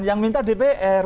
yang minta dpr